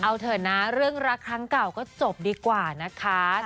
เอาเถอะนะเรื่องรักครั้งเก่าก็จบดีกว่านะคะ